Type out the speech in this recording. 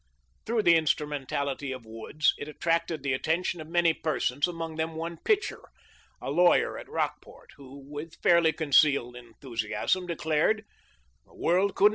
Through the instrumentality of Woods it attracted the attention of many persons, among them one Pitcher,* a lawyer at Rockport, who with faintly concealed enthusiasm declared " the world couldn't beat it."